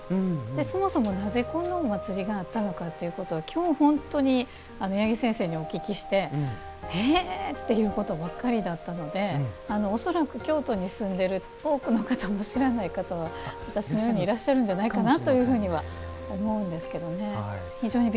そもそも、なぜこのお祭りがあったのかということを今日、本当に八木先生にお聞きしてへえということばっかりだったので恐らく京都に住んでいる多くの方も知らない方は私のようにいらっしゃるんじゃないかなとは思うんですけどね。